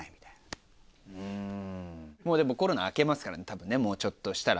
もうでもコロナあけますからね多分もうちょっとしたら。